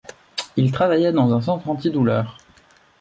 Il travaillait dans un centre anti-douleur.